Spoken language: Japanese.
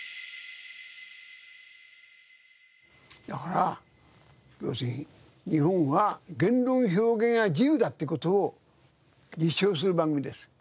だから要するに日本は言論表現は自由だって事を実証する番組です。